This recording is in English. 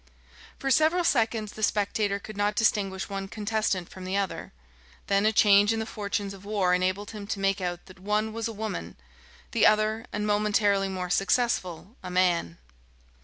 For several seconds the spectator could not distinguish one contestant from the other. Then a change in the fortunes of war enabled him to make out that one was a woman, the other, and momentarily more successful, a man.